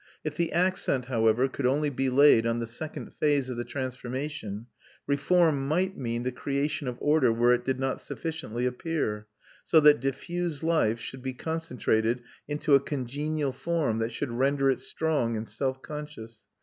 If the accent, however, could only be laid on the second phase of the transformation, reform might mean the creation of order where it did not sufficiently appear, so that diffuse life should be concentrated into a congenial form that should render it strong and self conscious.